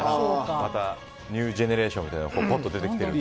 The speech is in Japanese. またニュージェネレーションがポンと出てきていると。